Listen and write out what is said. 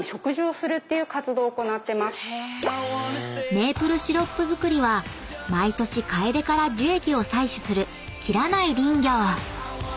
［メープルシロップ作りは毎年カエデから樹液を採取する伐らない林業］